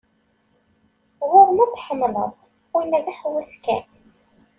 Ɣur-m ad t-tḥemmleḍ, winna d aḥewwas kan.